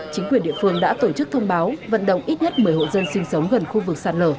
chính quyền địa phương đã tổ chức thông báo vận động ít nhất một mươi hộ dân sinh sống gần khu vực sạt lở